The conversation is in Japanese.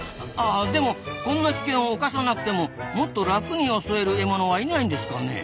でもこんな危険を冒さなくてももっと楽に襲える獲物はいないんですかね？